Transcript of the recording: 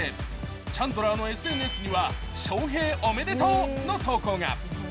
チャンドラーのＳＮＳには、「翔平おめでとう！」の投稿が。